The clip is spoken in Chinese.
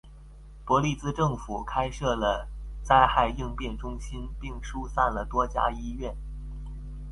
伯利兹政府开设了灾害应变中心并疏散了多家医院。